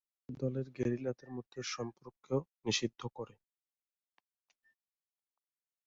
পিকেকে দলের গেরিলাদের মধ্যে সম্পর্ক নিষিদ্ধ করে।